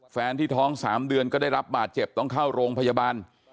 แฟนที่ท้อง๓เดือนก็ได้รับบาดเจ็บต้องเข้าโรงพยาบาล